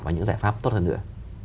và những giải pháp tốt hơn nữa